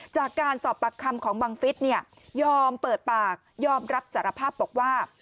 จากการสอบปากคำของบังฟิศยอมเปิดปากยอมรับสารภาพบอกว่า